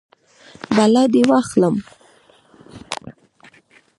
بلا دې واخلم.